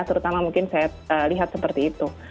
terutama mungkin saya lihat seperti itu